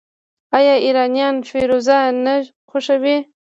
آیا ایرانیان فیروزه نه خوښوي؟